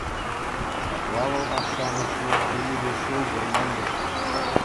Ҫапла вӑл ашшӗ-амӑшне темиҫе ҫул курман пек.